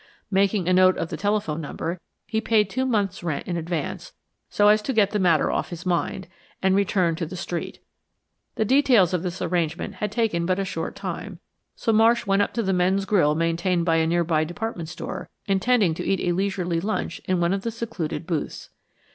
Making a note of the telephone number, he paid two month's rent in advance so as to get the matter off his mind, and returned to the street. The details of this arrangement had taken but a short time, so Marsh went up to the men's grill maintained by a nearby department store, intending to eat a leisurely luncheon in one of the secluded booths.